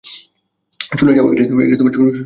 শুনে যাও বলছি!